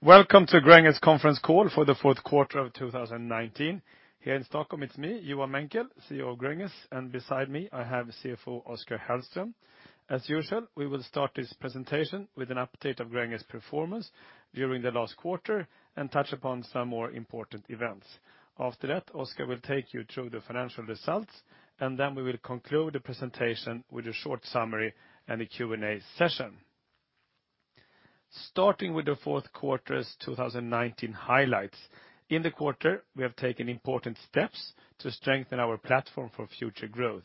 Welcome to Gränges conference call for the fourth quarter of 2019. Here in Stockholm, it's me, Johan Menckel, CEO of Gränges, and beside me I have CFO Oskar Hellström. As usual, we will start this presentation with an update of Gränges performance during the last quarter and touch upon some more important events. After that, Oskar will take you through the financial results, and then we will conclude the presentation with a short summary and a Q&A session. Starting with the fourth quarter's 2019 highlights. In the quarter, we have taken important steps to strengthen our platform for future growth.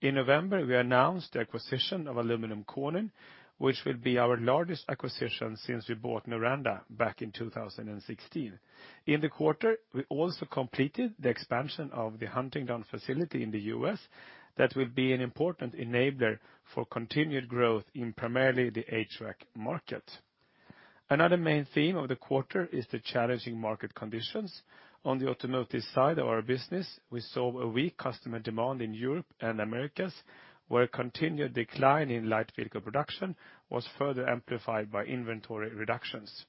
In November, we announced the acquisition of Aluminium Konin, which will be our largest acquisition since we bought Noranda back in 2016. In the quarter, we also completed the expansion of the Huntingdon facility in the U.S. that will be an important enabler for continued growth in primarily the HVAC market. Another main theme of the quarter is the challenging market conditions. On the automotive side of our business, we saw a weak customer demand in Europe and Americas, where a continued decline in light vehicle production was further amplified by inventory reductions.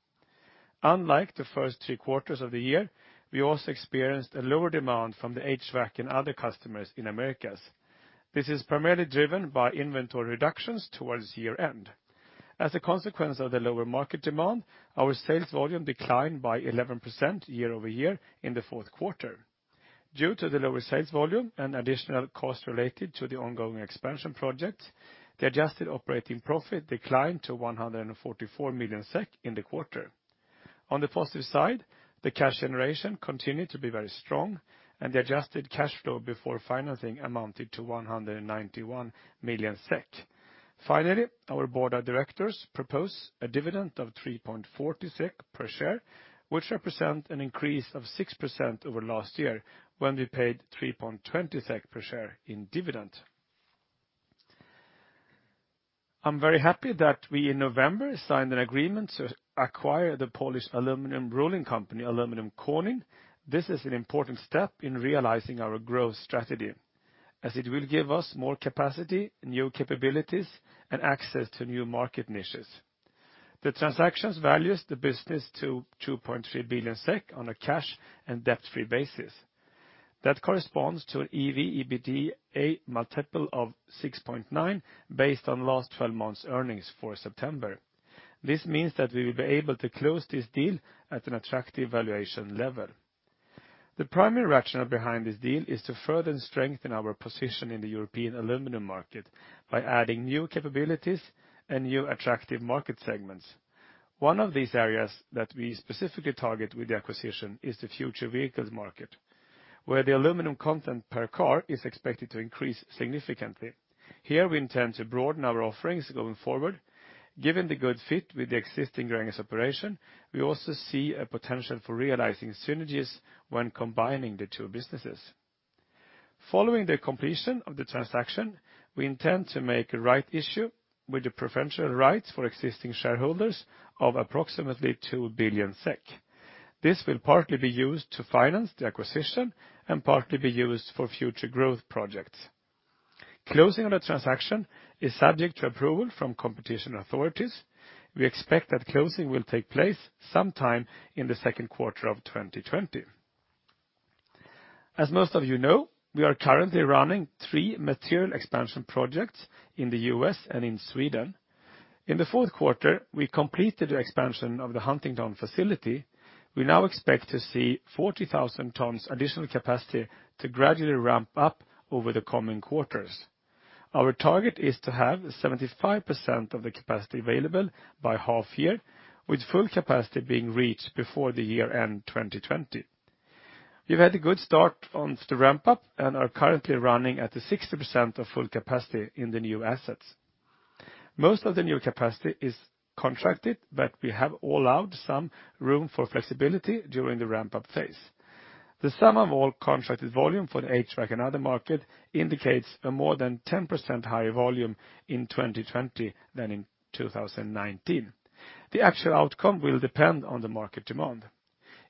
Unlike the first three quarters of the year, we also experienced a lower demand from the HVAC and other customers in Americas. This is primarily driven by inventory reductions towards year-end. As a consequence of the lower market demand, our sales volume declined by 11% year-over-year in the fourth quarter. Due to the lower sales volume and additional costs related to the ongoing expansion projects, the adjusted operating profit declined to 144 million SEK in the quarter. On the positive side, the cash generation continued to be very strong, and the adjusted cash flow before financing amounted to 191 million SEK. Finally, our board of directors propose a dividend of 3.40 per share, which represent an increase of 6% over last year when we paid 3.20 SEK per share in dividend. I'm very happy that we, in November, signed an agreement to acquire the Polish aluminum rolling company, Aluminium Konin. This is an important step in realizing our growth strategy, as it will give us more capacity, new capabilities, and access to new market niches. The transactions values the business to 2.3 billion SEK on a cash and debt-free basis. That corresponds to an EV/EBITDA multiple of 6.9x based on last 12 months earnings for September. This means that we will be able to close this deal at an attractive valuation level. The primary rationale behind this deal is to further strengthen our position in the European aluminum market by adding new capabilities and new attractive market segments. One of these areas that we specifically target with the acquisition is the future vehicles market, where the aluminum content per car is expected to increase significantly. Here we intend to broaden our offerings going forward. Given the good fit with the existing Gränges operation, we also see a potential for realizing synergies when combining the two businesses. Following the completion of the transaction, we intend to make a right issue with the preferential rights for existing shareholders of approximately 2 billion SEK. This will partly be used to finance the acquisition and partly be used for future growth projects. Closing of the transaction is subject to approval from competition authorities. We expect that closing will take place sometime in the second quarter of 2020. As most of you know, we are currently running three material expansion projects in the U.S. and in Sweden. In the fourth quarter, we completed the expansion of the Huntingdon facility. We now expect to see 40,000 tons additional capacity to gradually ramp up over the coming quarters. Our target is to have 75% of the capacity available by half year, with full capacity being reached before the year-end 2020. We've had a good start on the ramp-up and are currently running at the 60% of full capacity in the new assets. Most of the new capacity is contracted, but we have allowed some room for flexibility during the ramp-up phase. The sum of all contracted volume for the HVAC and other market indicates a more than 10% higher volume in 2020 than in 2019. The actual outcome will depend on the market demand.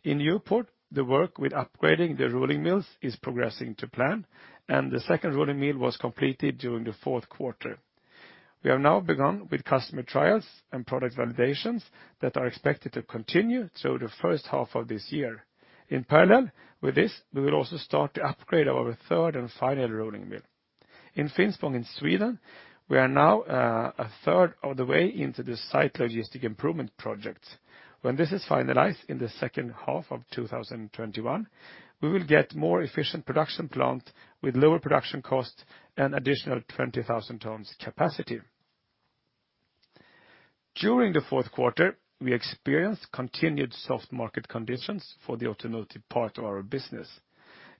In Newport, the work with upgrading the rolling mills is progressing to plan, and the second rolling mill was completed during the fourth quarter. We have now begun with customer trials and product validations that are expected to continue through the first half of this year. In parallel with this, we will also start the upgrade of our third and final rolling mill. In Gränges Finspång in Sweden, we are now a third of the way into the site logistic improvement project. When this is finalized in the second half of 2021, we will get more efficient production plant with lower production cost and additional 20,000 tons capacity. During the fourth quarter, we experienced continued soft market conditions for the automotive part of our business.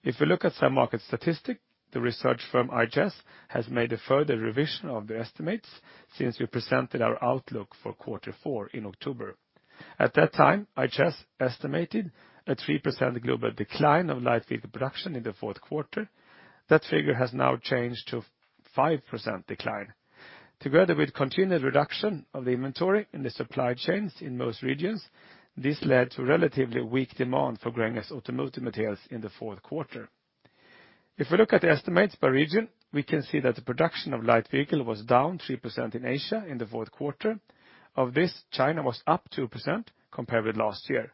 If we look at some market statistics, the research firm IHS has made a further revision of the estimates since we presented our outlook for quarter four in October. At that time, IHS estimated a 3% global decline of light vehicle production in the fourth quarter. That figure has now changed to 5% decline. Together with continued reduction of inventory in the supply chains in most regions, this led to relatively weak demand for Gränges automotive materials in the fourth quarter. If we look at the estimates by region, we can see that the production of light vehicle was down 3% in Asia in the fourth quarter. Of this, China was up 2% compared with last year.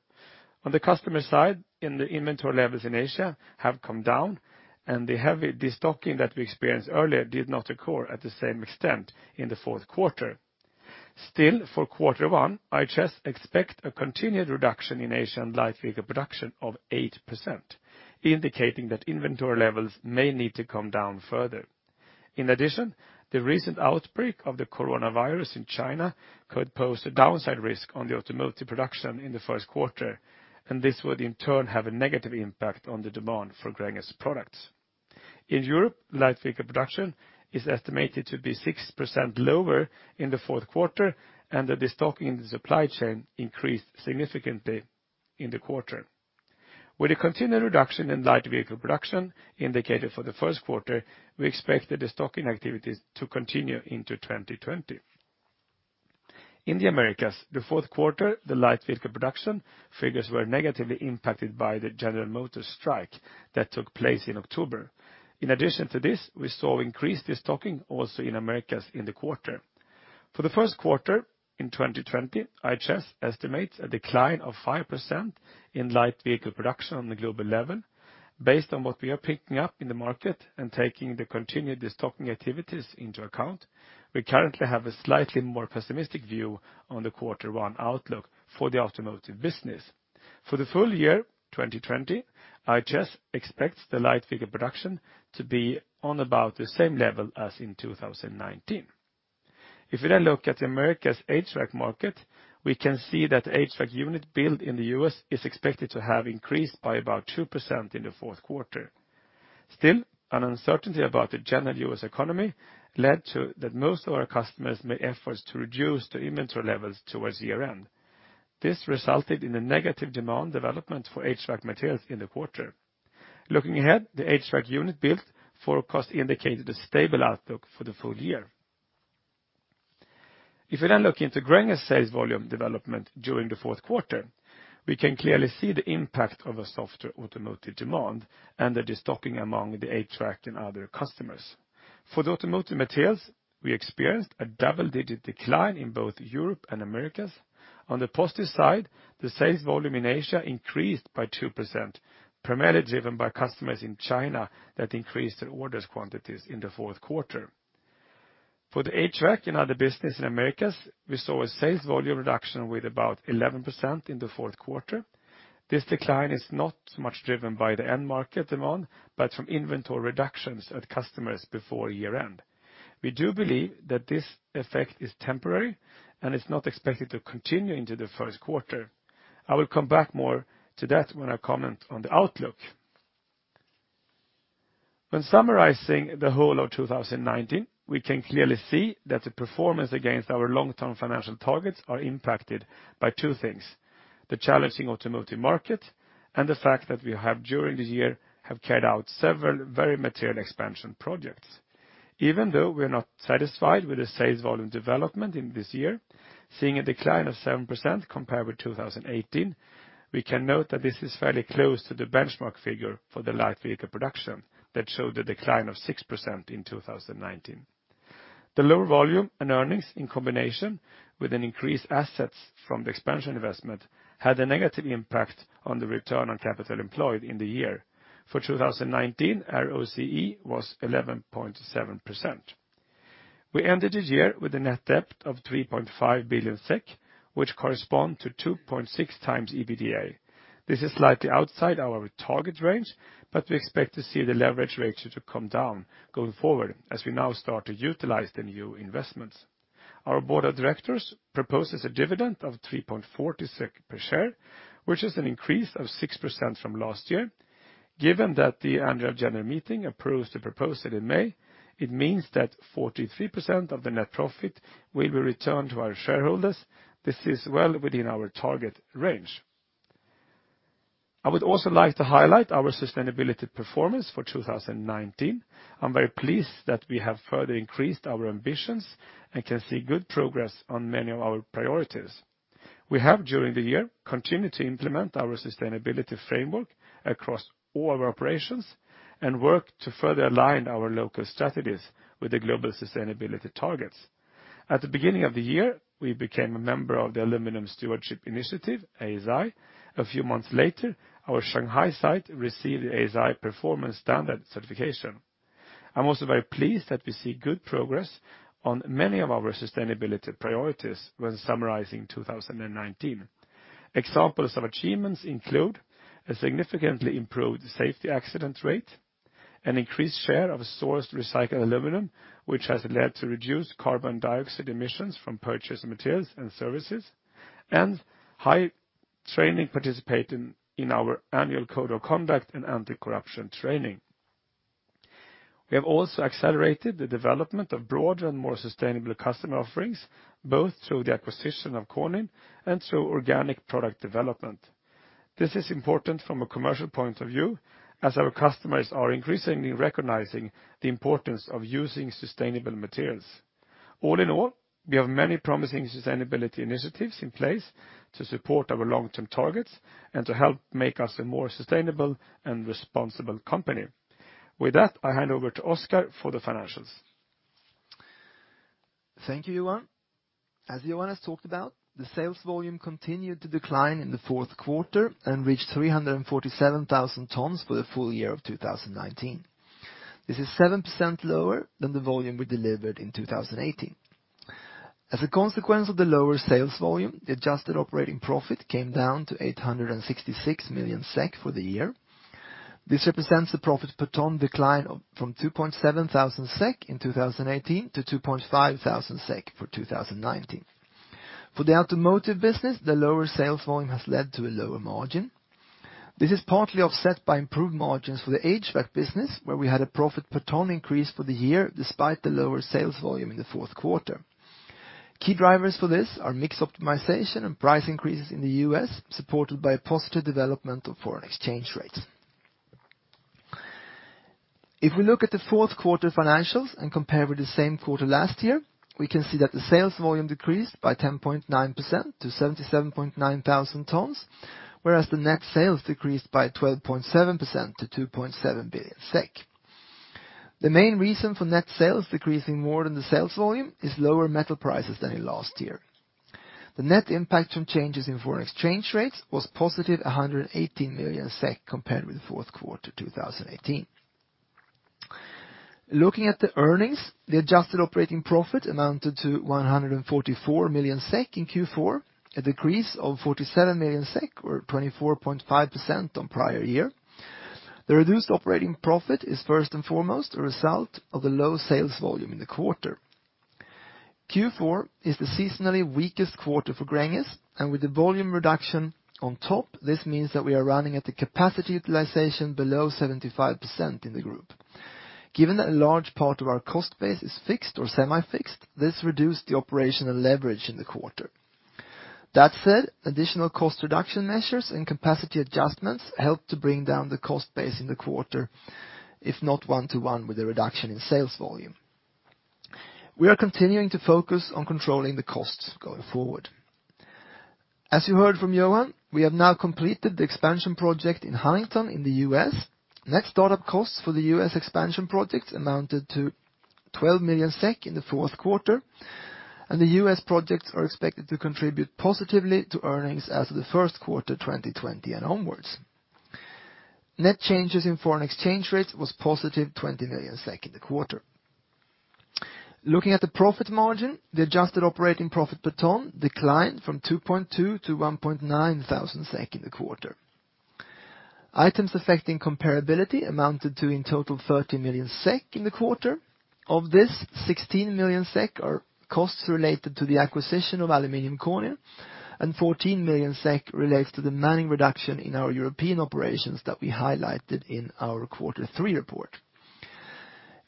On the customer side, the inventory levels in Asia have come down, and the heavy destocking that we experienced earlier did not occur at the same extent in the fourth quarter. Still, for quarter one, IHS expect a continued reduction in Asian light vehicle production of 8%, indicating that inventory levels may need to come down further. In addition, the recent outbreak of the coronavirus in China could pose a downside risk on the automotive production in the first quarter, and this would in turn have a negative impact on the demand for Gränges products. In Europe, light vehicle production is estimated to be 6% lower in the fourth quarter and the destocking in the supply chain increased significantly in the quarter. With a continued reduction in light vehicle production indicated for the first quarter, we expect the destocking activities to continue into 2020. In the Americas, the fourth quarter, the light vehicle production figures were negatively impacted by the General Motors strike that took place in October. In addition to this, we saw increased destocking also in Americas in the quarter. For the first quarter in 2020, IHS estimates a decline of 5% in light vehicle production on the global level. Based on what we are picking up in the market and taking the continued destocking activities into account, we currently have a slightly more pessimistic view on the quarter one outlook for the automotive business. For the full year 2020, IHS expects the light vehicle production to be on about the same level as in 2019. If we look at the Americas HVAC market, we can see that HVAC unit build in the U.S. is expected to have increased by about 2% in the fourth quarter. Still, an uncertainty about the general U.S. economy led to that most of our customers made efforts to reduce their inventory levels towards year-end. This resulted in a negative demand development for HVAC materials in the quarter. Looking ahead, the HVAC unit built forecast indicated a stable outlook for the full year. If we then look into Gränges sales volume development during the fourth quarter, we can clearly see the impact of a softer automotive demand and the destocking among the HVAC and other customers. For the automotive materials, we experienced a double-digit decline in both Europe and Americas. On the positive side, the sales volume in Asia increased by 2%, primarily driven by customers in China that increased their orders quantities in the fourth quarter. For the HVAC and other business in Americas, we saw a sales volume reduction with about 11% in the fourth quarter. This decline is not much driven by the end market demand, but from inventory reductions at customers before year-end. We do believe that this effect is temporary and it's not expected to continue into the first quarter. I will come back more to that when I comment on the outlook. When summarizing the whole of 2019, we can clearly see that the performance against our long-term financial targets are impacted by two things, the challenging automotive market and the fact that we have during the year carried out several very material expansion projects. Even though we are not satisfied with the sales volume development in this year, seeing a decline of 7% compared with 2018, we can note that this is fairly close to the benchmark figure for the light vehicle production that showed a decline of 6% in 2019. The lower volume and earnings in combination with an increased assets from the expansion investment had a negative impact on the return on capital employed in the year. For 2019, ROCE was 11.7%. We ended the year with a net debt of 3.5 billion SEK, which correspond to 2.6x EBITDA. This is slightly outside our target range, but we expect to see the leverage ratio to come down going forward as we now start to utilize the new investments. Our board of directors proposes a dividend of 3.40 per share, which is an increase of 6% from last year. Given that the annual general meeting approves the proposal in May, it means that 43% of the net profit will be returned to our shareholders. This is well within our target range. I would also like to highlight our sustainability performance for 2019. I'm very pleased that we have further increased our ambitions and can see good progress on many of our priorities. We have during the year continued to implement our sustainability framework across all our operations and work to further align our local strategies with the global sustainability targets. At the beginning of the year, we became a member of the Aluminium Stewardship Initiative, ASI. A few months later, our Shanghai site received the ASI performance standard certification. I'm also very pleased that we see good progress on many of our sustainability priorities when summarizing 2019. Examples of achievements include a significantly improved safety accident rate, an increased share of sourced recycled aluminum, which has led to reduced carbon dioxide emissions from purchased materials and services, and high training participating in our annual code of conduct and anti-corruption training. We have also accelerated the development of broader and more sustainable customer offerings, both through the acquisition of Konin and through organic product development. This is important from a commercial point of view, as our customers are increasingly recognizing the importance of using sustainable materials. All in all, we have many promising sustainability initiatives in place to support our long-term targets and to help make us a more sustainable and responsible company. With that, I hand over to Oskar for the financials. Thank you, Johan. As Johan has talked about, the sales volume continued to decline in the fourth quarter and reached 347,000 tons for the full year of 2019. This is 7% lower than the volume we delivered in 2018. As a consequence of the lower sales volume, the adjusted operating profit came down to 866 million SEK for the year. This represents a profit per ton decline from 2.7 thousand SEK in 2018 to 2.5 thousand SEK for 2019. For the automotive business, the lower sales volume has led to a lower margin. This is partly offset by improved margins for the HVAC business, where we had a profit per ton increase for the year, despite the lower sales volume in the fourth quarter. Key drivers for this are mix optimization and price increases in the U.S., supported by a positive development of foreign exchange rates. If we look at the fourth quarter financials and compare with the same quarter last year, we can see that the sales volume decreased by 10.9% to 77,900 tons, whereas the net sales decreased by 12.7% to 2.7 billion SEK. The main reason for net sales decreasing more than the sales volume is lower metal prices than in last year. The net impact from changes in foreign exchange rates was positive 118 million SEK compared with the fourth quarter 2018. Looking at the earnings, the adjusted operating profit amounted to 144 million SEK in Q4, a decrease of 47 million SEK, or 24.5% on prior year. The reduced operating profit is first and foremost a result of the low sales volume in the quarter. Q4 is the seasonally weakest quarter for Gränges, and with the volume reduction on top, this means that we are running at the capacity utilization below 75% in the group. Given that a large part of our cost base is fixed or semi-fixed, this reduced the operational leverage in the quarter. That said, additional cost reduction measures and capacity adjustments helped to bring down the cost base in the quarter, if not one-to-one with the reduction in sales volume. We are continuing to focus on controlling the costs going forward. As you heard from Johan, we have now completed the expansion project in Huntingdon in the U.S. Net startup costs for the U.S. expansion projects amounted to 12 million SEK in the fourth quarter, and the U.S. projects are expected to contribute positively to earnings as of the first quarter 2020 and onwards. Net changes in foreign exchange rates was +20 million SEK in the quarter. Looking at the profit margin, the adjusted operating profit per ton declined from 2.2 thousand to 1.9 thousand SEK in the quarter. Items affecting comparability amounted to, in total, 30 million SEK in the quarter. Of this, 16 million SEK are costs related to the acquisition of Aluminium Konin, and 14 million SEK relates to the manning reduction in our European operations that we highlighted in our Quarter 3 report.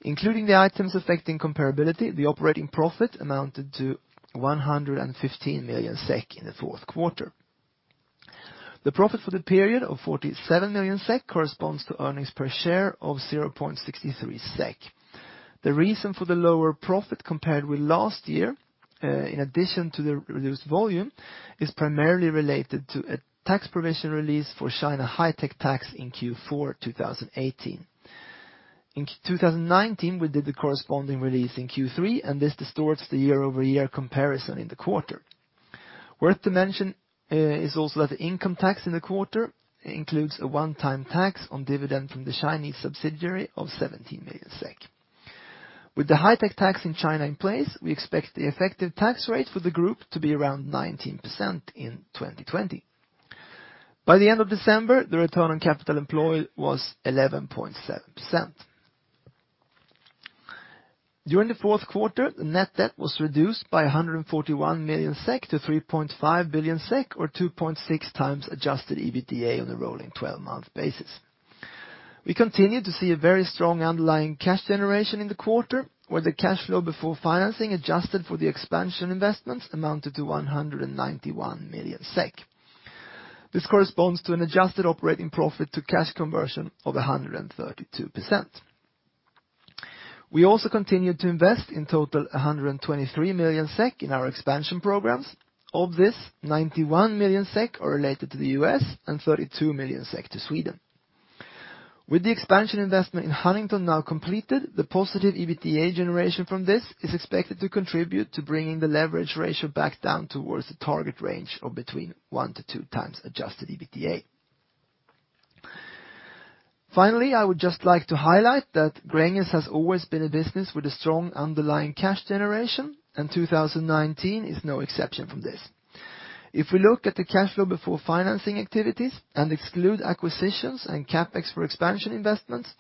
Including the items affecting comparability, the operating profit amounted to 115 million SEK in the fourth quarter. The profit for the period of 47 million SEK corresponds to earnings per share of 0.63 SEK. The reason for the lower profit compared with last year, in addition to the reduced volume, is primarily related to a tax provision release for China high-tech tax in Q4 2018. In 2019, we did the corresponding release in Q3, and this distorts the year-over-year comparison in the quarter. Worth to mention is also that the income tax in the quarter includes a one-time tax on dividend from the Chinese subsidiary of 17 million SEK. With the high-tech tax in China in place, we expect the effective tax rate for the group to be around 19% in 2020. By the end of December, the return on capital employed was 11.7%. During the fourth quarter, the net debt was reduced by 141 million SEK to 3.5 billion SEK, or 2.6x adjusted EBITDA on a rolling 12-month basis. We continued to see a very strong underlying cash generation in the quarter, where the cash flow before financing adjusted for the expansion investments amounted to 191 million SEK. This corresponds to an adjusted operating profit to cash conversion of 132%. We also continued to invest in total 123 million SEK in our expansion programs. Of this, 91 million SEK are related to the U.S. and 32 million SEK to Sweden. With the expansion investment in Huntingdon now completed, the positive EBITDA generation from this is expected to contribute to bringing the leverage ratio back down towards the target range of between 1x-2x adjusted EBITDA. Finally, I would just like to highlight that Gränges has always been a business with a strong underlying cash generation, and 2019 is no exception from this. If we look at the cash flow before financing activities and exclude acquisitions and CapEx for expansion investments,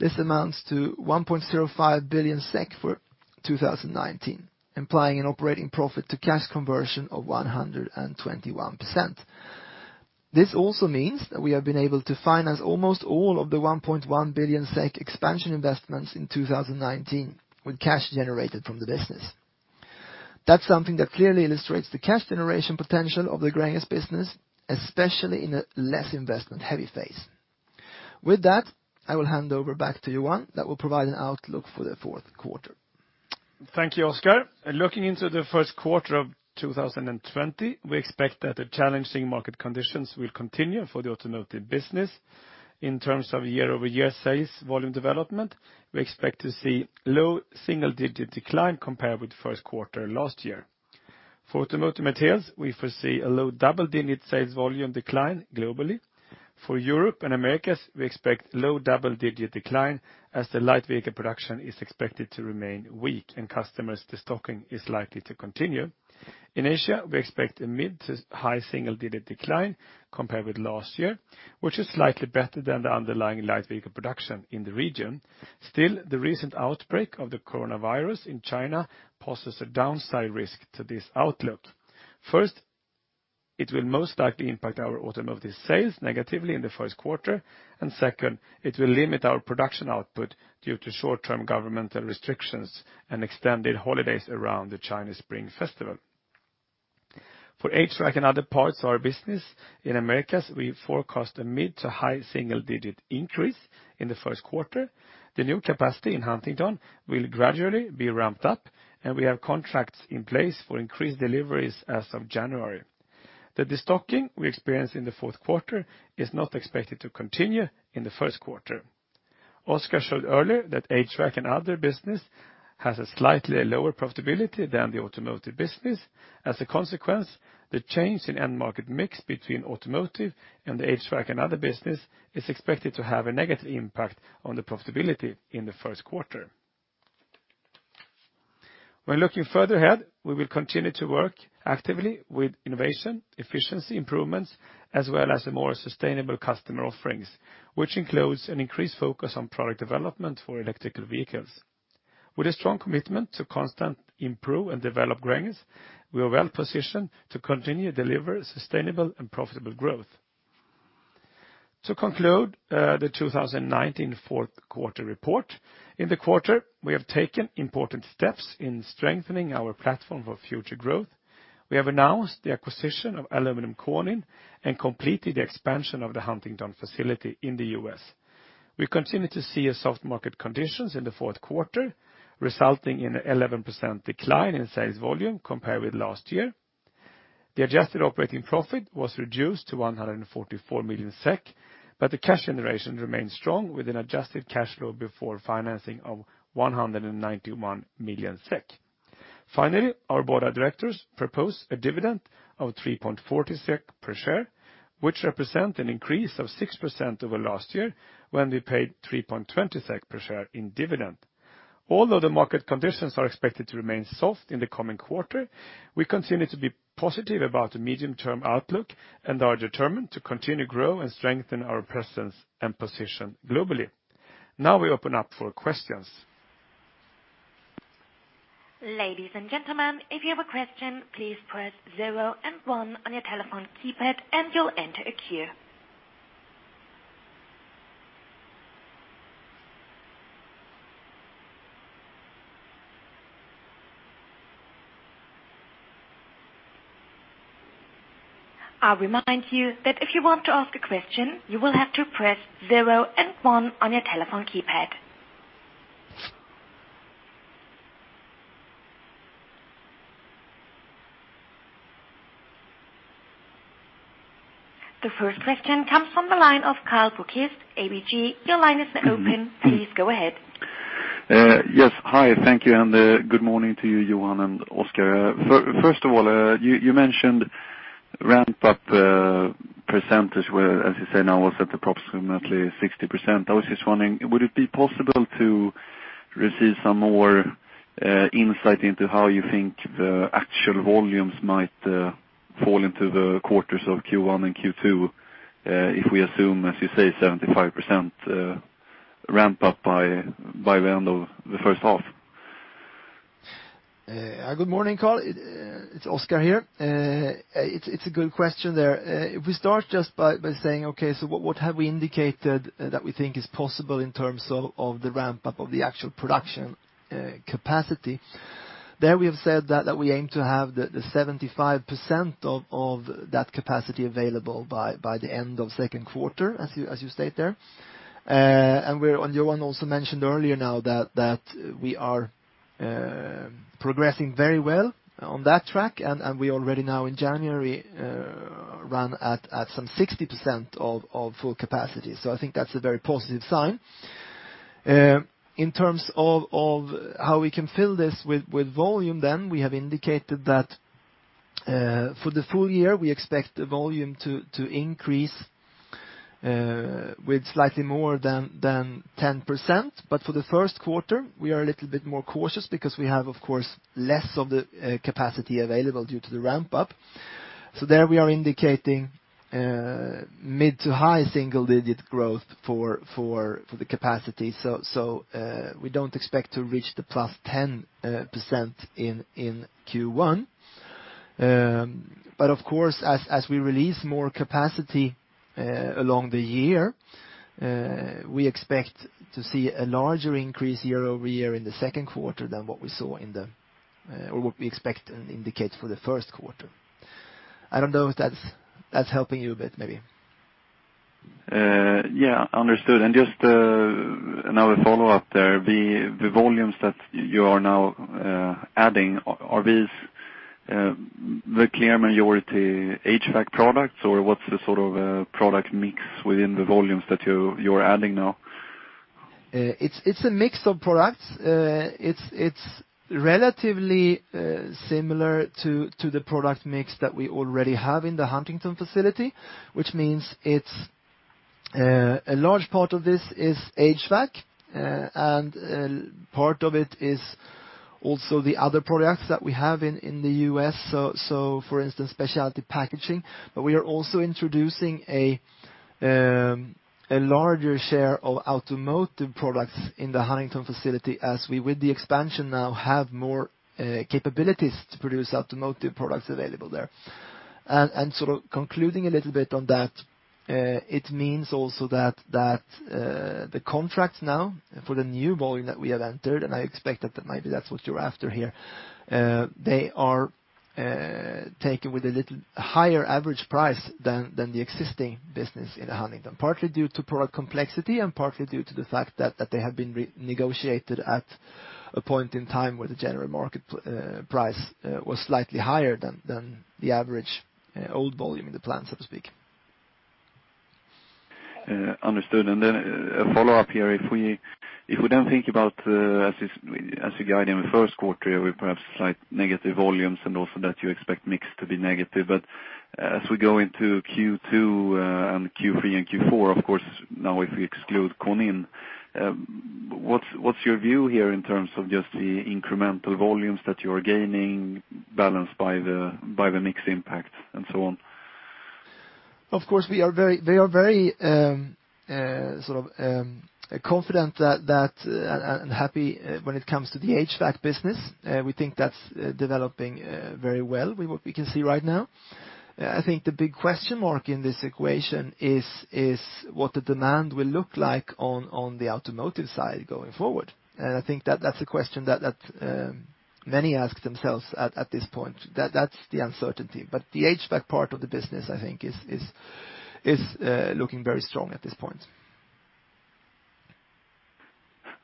this amounts to 1.05 billion SEK for 2019, implying an operating profit to cash conversion of 121%. This also means that we have been able to finance almost all of the 1.1 billion SEK expansion investments in 2019 with cash generated from the business. That's something that clearly illustrates the cash generation potential of the Gränges business, especially in a less investment heavy phase. With that, I will hand over back to Johan that will provide an outlook for the fourth quarter. Thank you, Oskar. Looking into the first quarter of 2020, we expect that the challenging market conditions will continue for the automotive business. In terms of year-over-year sales volume development, we expect to see low single-digit decline compared with first quarter last year. For automotive materials, we foresee a low double-digit sales volume decline globally. For Europe and Americas, we expect low double-digit decline as the light vehicle production is expected to remain weak and customers destocking is likely to continue. In Asia, we expect a mid to high single-digit decline compared with last year, which is slightly better than the underlying light vehicle production in the region. The recent outbreak of the coronavirus in China poses a downside risk to this outlook. First, it will most likely impact our automotive sales negatively in the first quarter, and second, it will limit our production output due to short-term governmental restrictions and extended holidays around the Chinese Spring Festival. For HVAC and other parts of our business in Americas, we forecast a mid to high single-digit increase in the first quarter. The new capacity in Huntingdon will gradually be ramped up, and we have contracts in place for increased deliveries as of January. The destocking we experienced in the fourth quarter is not expected to continue in the first quarter. Oskar showed earlier that HVAC and other business has a slightly lower profitability than the automotive business. As a consequence, the change in end market mix between automotive and the HVAC and other business is expected to have a negative impact on the profitability in the first quarter. When looking further ahead, we will continue to work actively with innovation, efficiency improvements, as well as more sustainable customer offerings, which includes an increased focus on product development for electrical vehicles. With a strong commitment to constantly improve and develop Gränges, we are well positioned to continue to deliver sustainable and profitable growth. To conclude the 2019 fourth quarter report, in the quarter, we have taken important steps in strengthening our platform for future growth. We have announced the acquisition of Aluminium Konin and completed the expansion of the Huntingdon facility in the U.S. We continued to see soft market conditions in the fourth quarter, resulting in an 11% decline in sales volume compared with last year. The adjusted operating profit was reduced to 144 million SEK, but the cash generation remained strong with an adjusted cash flow before financing of 191 million SEK. Finally, our board of directors propose a dividend of 3.40 SEK per share, which represent an increase of 6% over last year when we paid 3.20 SEK per share in dividend. Although the market conditions are expected to remain soft in the coming quarter, we continue to be positive about the medium-term outlook and are determined to continue to grow and strengthen our presence and position globally. Now we open up for questions. Ladies and gentlemen, if you have a question, please press zero and one on your telephone keypad and you'll enter a queue. I remind you that if you want to ask a question, you will have to press zero and one on your telephone keypad. The first question comes from the line of Karl Bokvist, ABG. Your line is now open. Please go ahead. Yes. Hi, thank you, and good morning to you, Johan and Oskar. First of all, you mentioned ramp-up percent, where, as you say now, was at approximately 60%. I was just wondering, would it be possible to receive some more insight into how you think the actual volumes might fall into the quarters of Q1 and Q2, if we assume, as you say, 75% ramp-up by the end of the first half? Good morning, Karl. It's Oskar here. It's a good question there. If we start just by saying, okay, so what have we indicated that we think is possible in terms of the ramp-up of the actual production capacity? There, we have said that we aim to have the 75% of that capacity available by the end of second quarter, as you state there. Johan also mentioned earlier now that we are progressing very well on that track, and we already now in January run at some 60% of full capacity. I think that's a very positive sign. In terms of how we can fill this with volume, we have indicated that for the full year, we expect the volume to increase with slightly more than 10%, for the first quarter, we are a little bit more cautious because we have, of course, less of the capacity available due to the ramp-up. There, we are indicating mid to high single-digit growth for the capacity. We don't expect to reach the +10% in Q1. Of course, as we release more capacity along the year, we expect to see a larger increase year-over-year in the second quarter than what we expect and indicate for the first quarter. I don't know if that's helping you a bit, maybe. Yeah. Understood. Just another follow-up there. The volumes that you are now adding, are these the clear majority HVAC products, or what's the sort of product mix within the volumes that you're adding now? It's a mix of products. It's relatively similar to the product mix that we already have in the Huntingdon facility, which means a large part of this is HVAC, and part of it is also the other products that we have in the U.S. For instance, specialty packaging, but we are also introducing a larger share of automotive products in the Huntingdon facility as we, with the expansion now, have more capabilities to produce automotive products available there. Concluding a little bit on that, it means also that the contracts now for the new volume that we have entered, and I expect that might be that's what you're after here, they are taken with a little higher average price than the existing business in Huntingdon, partly due to product complexity and partly due to the fact that they have been renegotiated at a point in time where the general market price was slightly higher than the average old volume in the plant, so to speak. Understood. A follow-up here. If we then think about as you guide in the first quarter, perhaps slight negative volumes and also that you expect mix to be negative. As we go into Q2 and Q3 and Q4, of course, now if we exclude Konin, what's your view here in terms of just the incremental volumes that you are gaining balanced by the mix impact and so on? Of course, we are very confident and happy when it comes to the HVAC business. We think that's developing very well, we can see right now. I think the big question mark in this equation is what the demand will look like on the automotive side going forward. I think that's a question that many ask themselves at this point. That's the uncertainty. The HVAC part of the business, I think, is looking very strong at this point.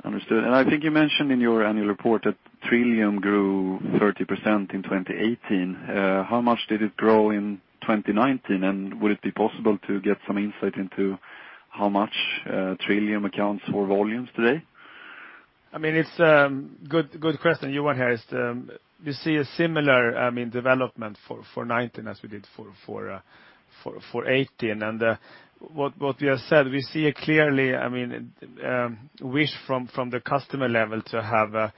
Understood. I think you mentioned in your annual report that TRILLIUM grew 30% in 2018. How much did it grow in 2019? Would it be possible to get some insight into how much TRILLIUM accounts for volumes today? Good question, Johan here, is we see a similar development for 2019 as we did for 2018. What we have said, we see a clearly wish from the customer level to have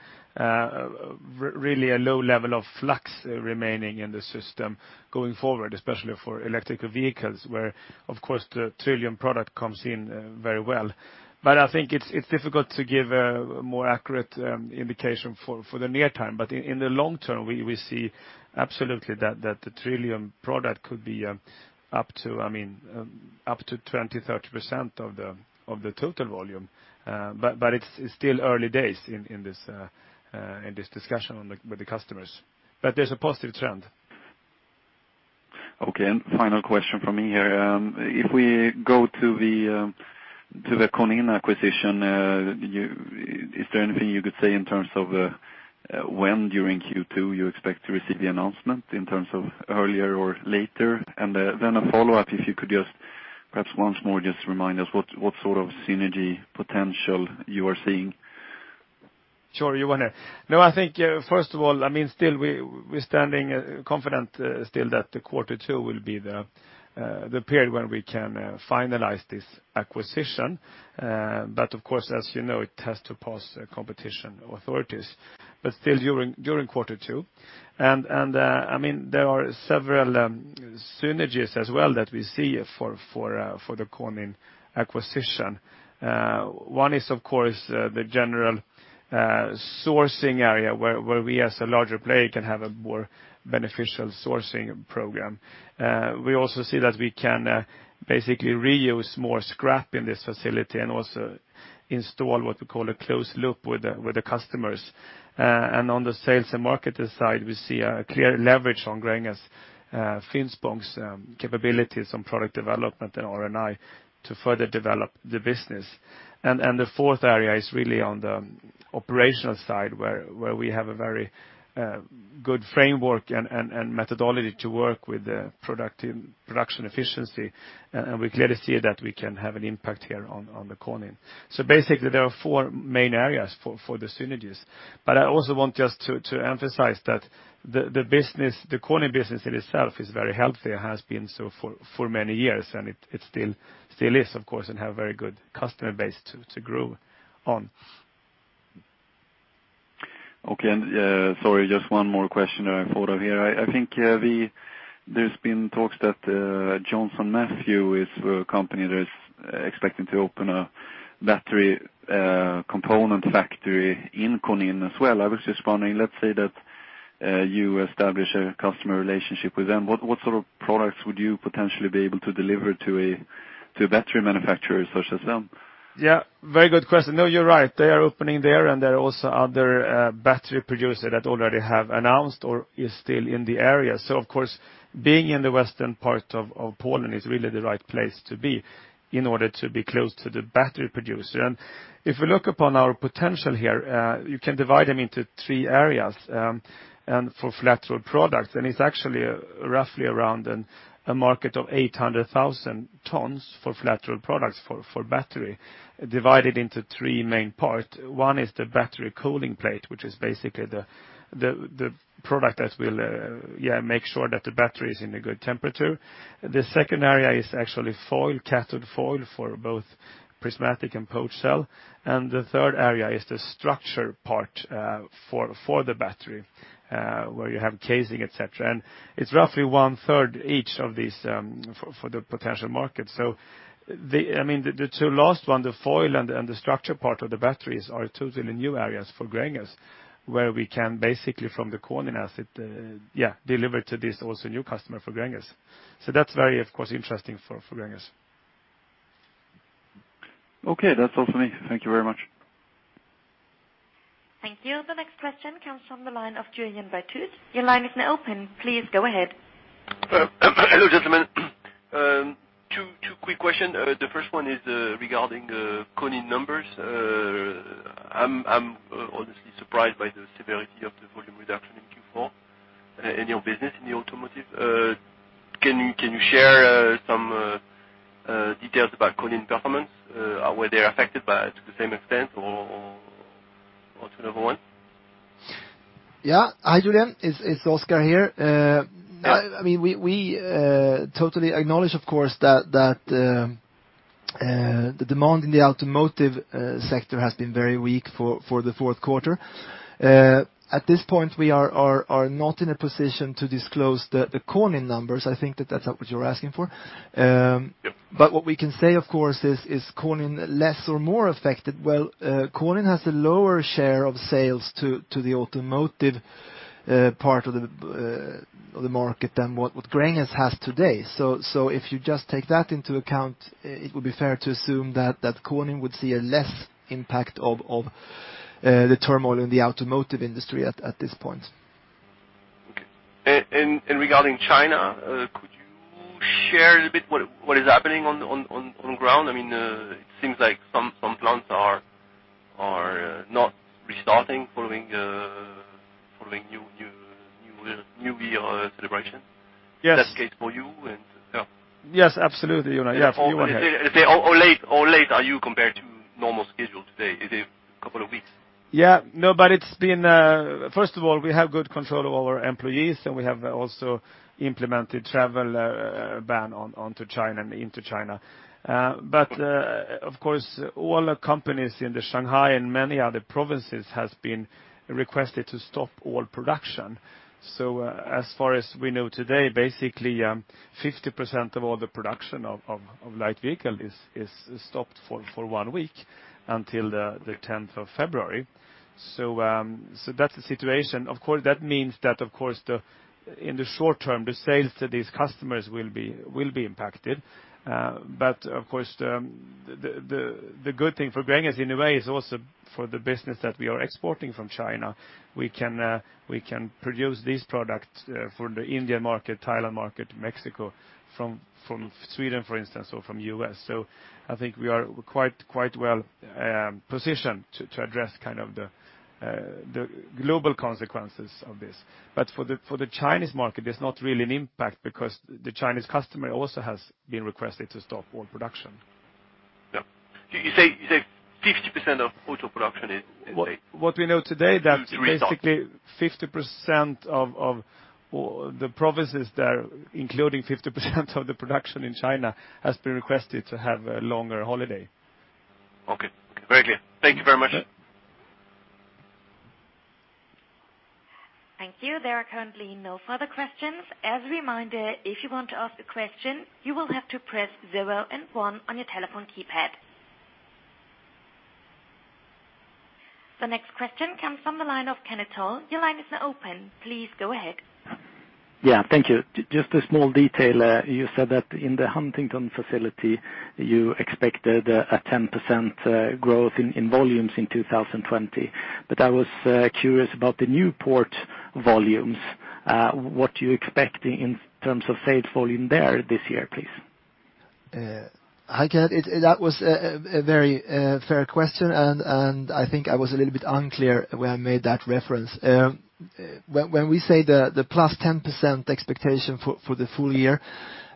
really a low level of flux remaining in the system going forward, especially for electrical vehicles, where, of course, the TRILLIUM product comes in very well. I think it's difficult to give a more accurate indication for the near term. In the long term, we see absolutely that the TRILLIUM product could be up to 20%-30% of the total volume. It's still early days in this discussion with the customers. There's a positive trend. Okay, final question from me here. If we go to the Konin acquisition, is there anything you could say in terms of when during Q2 you expect to receive the announcement in terms of earlier or later? A follow-up, if you could just perhaps once more just remind us what sort of synergy potential you are seeing? Sure, Johan here. No, I think, first of all, we're standing confident still that the quarter two will be the period when we can finalize this acquisition. Of course, as you know, it has to pass competition authorities. Still during quarter two. There are several synergies as well that we see for the Konin acquisition. One is, of course, the general sourcing area where we as a larger player can have a more beneficial sourcing program. We also see that we can basically reuse more scrap in this facility and also install what we call a closed loop with the customers. On the sales and marketing side, we see a clear leverage on Gränges Finspång's capabilities on product development and R&I to further develop the business. The fourth area is really on the operational side where we have a very good framework and methodology to work with the production efficiency. We clearly see that we can have an impact here on the Konin. Basically, there are four main areas for the synergies. I also want just to emphasize that the Konin business in itself is very healthy, it has been so for many years, and it still is, of course, and have very good customer base to grow on. Okay. Sorry, just one more question I thought of here. I think there's been talks that Johnson Matthey is a company that is expecting to open a battery component factory in Konin as well. I was just wondering, let's say that you establish a customer relationship with them, what sort of products would you potentially be able to deliver to a battery manufacturer such as them? Yeah, very good question. No, you're right. They are opening there, and there are also other battery producers that already have announced or are still in the area. Of course, being in the western part of Poland is really the right place to be in order to be close to the battery producer. If we look upon our potential here, you can divide them into three areas. For flat roll products, it's actually roughly around a market of 800,000 tons for flat roll products for battery, divided into three main parts. One is the battery cooling plate, which is basically the product that will make sure that the battery is in a good temperature. The second area is actually cathode foil for both prismatic and pouch cell. The third area is the structure part for the battery, where you have casing, et cetera. It's roughly 1/3 each of these for the potential market. The two last ones, the foil and the structure part of the batteries, are totally new areas for Gränges, where we can basically from the Konin asset deliver to this also new customer for Gränges. That's very, of course, interesting for Gränges. Okay. That's all for me. Thank you very much. Thank you. The next question comes from the line of Julien Rault. Your line is now open. Please go ahead. Hello, gentlemen. Two quick questions. The first one is regarding Konin numbers. I'm honestly surprised by the severity of the volume reduction in Q4 in your business, in the automotive. Can you share some details about Konin performance, were they affected to the same extent or to another one? Hi, Julien, it's Oskar here. We totally acknowledge, of course, that the demand in the automotive sector has been very weak for the fourth quarter. At this point, we are not in a position to disclose the Konin numbers. I think that that's what you're asking for. Yep. What we can say, of course, is Konin less or more affected? Well, Konin has a lower share of sales to the automotive part of the market than what Gränges has today. If you just take that into account, it would be fair to assume that Konin would see a less impact of the turmoil in the automotive industry at this point. Okay. Regarding China, could you share a little bit what is happening on the ground? It seems like some plants are not restarting following New Year celebration. Yes. Is that the case for you? Yeah. Yes, absolutely. Yes, you are here. How late are you compared to normal schedule today? Is it a couple of weeks? First of all, we have good control of our employees. We have also implemented travel ban onto China and into China. Of course, all companies in the Shanghai and many other provinces has been requested to stop all production. As far as we know today, basically, 50% of all the production of light vehicle is stopped for one week until the 10th of February. That's the situation. Of course, that means that, of course, in the short term, the sales to these customers will be impacted. Of course, the good thing for Gränges in a way is also for the business that we are exporting from China. We can produce these products for the India market, Thailand market, Mexico from Sweden, for instance, or from U.S. I think we are quite well-positioned to address the global consequences of this. For the Chinese market, there's not really an impact because the Chinese customer also has been requested to stop all production. Yeah. You say 50% of auto production is what? What we know today. To restart. basically 50% of the provinces there, including 50% of the production in China, has been requested to have a longer holiday. Okay. Very clear. Thank you very much. Thank you. There are currently no further questions. As a reminder, if you want to ask a question, you will have to press zero and one on your telephone keypad. The next question comes from the line of Kenneth Toll. Your line is now open. Please go ahead. Yeah, thank you. Just a small detail. You said that in the Huntingdon facility, you expected a 10% growth in volumes in 2020. I was curious about the Newport volumes. What you expect in terms of sales volume there this year, please? Hi, Kenneth. That was a very fair question. I think I was a little bit unclear when I made that reference. When we say the plus 10% expectation for the full year,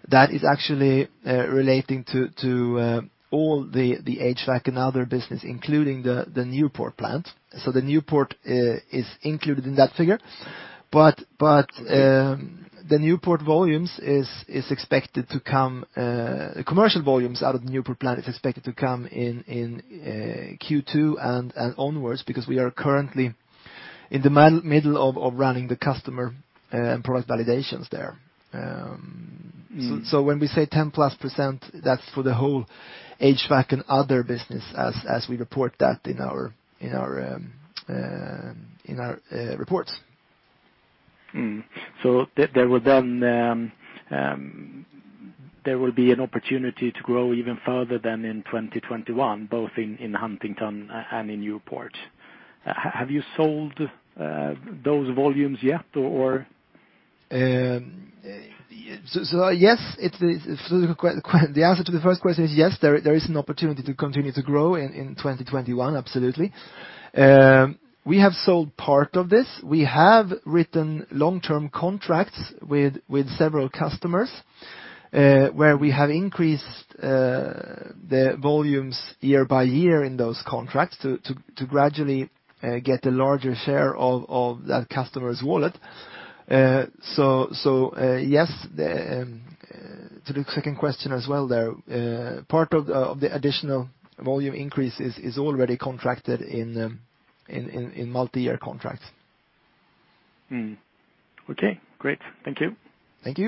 that is actually relating to all the HVAC and other business, including the Newport plant. The Newport is included in that figure. The commercial volumes out of the Newport plant is expected to come in Q2 and onwards because we are currently in the middle of running the customer product validations there. When we say 10+ %, that's for the whole HVAC and other business as we report that in our reports. There will be an opportunity to grow even further than in 2021, both in Huntingdon and in Newport. Have you sold those volumes yet, or? The answer to the first question is yes, there is an opportunity to continue to grow in 2021, absolutely. We have sold part of this. We have written long-term contracts with several customers, where we have increased the volumes year by year in those contracts to gradually get a larger share of that customer's wallet. Yes, to the second question as well there, part of the additional volume increase is already contracted in multi-year contracts. Mm-hmm. Okay, great. Thank you. Thank you.